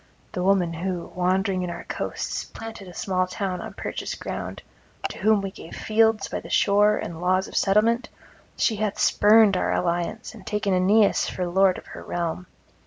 The woman who, wandering in our coasts, planted a small town on purchased ground, to whom we gave fields by the shore and laws of settlement, she hath spurned our alliance and taken Aeneas for lord of her realm.